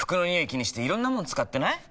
気にしていろんなもの使ってない？